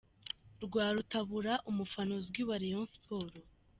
Rwarutabura umufana uzwi wa Rayon Sports.